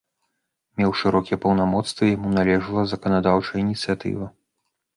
Меў шырокія паўнамоцтвы, яму належыла заканадаўчая ініцыятыва.